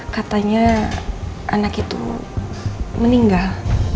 katanya anak itu meninggal